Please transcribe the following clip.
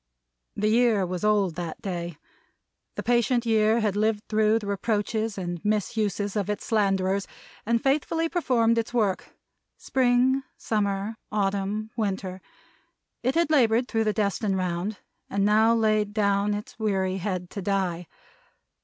The Year was Old, that day. The patient Year had lived through the reproaches and misuses of its slanderers, and faithfully performed its work. Spring, summer, autumn, winter. It had labored through the destined round, and now laid down its weary head to die.